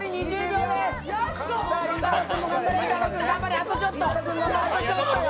あとちょっと！